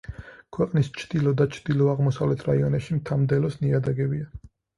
ქვეყნის ჩრდილო და ჩრდილო-აღმოსავლეთ რაიონებში მთა-მდელოს ნიადაგებია.